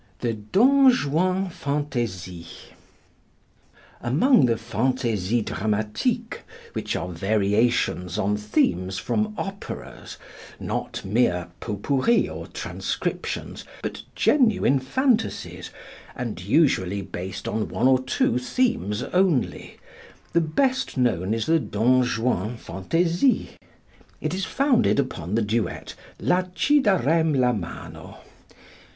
The Don Juan Fantasie. Among the "Fantasies Dramatiques," which are variations on themes from operas, not mere potpourris or transcriptions, but genuine fantasies, and usually based on one or two themes only, the best known is the "Don Juan Fantasie." It is founded upon the duet, "La ci darem la mano."